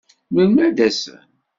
Melmi ad d-asen?